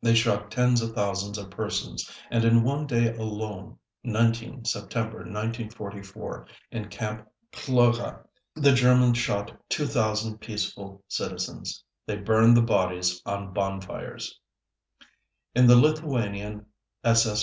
they shot tens of thousands of persons and in one day alone, 19 September 1944, in Camp Kloga, the Germans shot 2,000 peaceful citizens. They burned the bodies on bonfires. In the Lithuanian S.